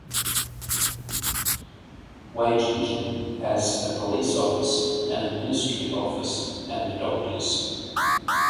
Wageningen has a police office, an administrative office and a doctor's.